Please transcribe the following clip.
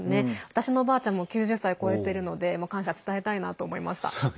私のおばあちゃんも９０歳を超えてるので感謝伝えたいなと思いました。